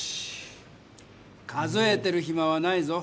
数えてるひまはないぞ。